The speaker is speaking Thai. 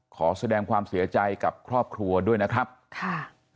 ขอแสดงความเสียใจกับครอบครัวด้วยนะครับค่ะ